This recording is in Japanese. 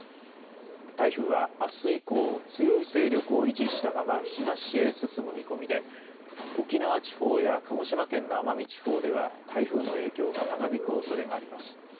台風はあす以降、強い勢力を維持したまま東へ進む見込みで沖縄地方や鹿児島県の奄美地方では台風の影響が長引くおそれがあります。